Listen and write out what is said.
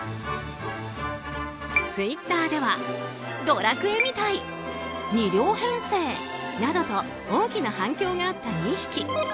ツイッターでは「ドラクエ」みたい２両編成などと大きな反響があった２匹。